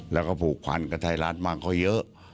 แล้วก็ผูกพันกับไทยรัฐมั่งเขาเยอะ